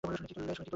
শুনে কী করলে?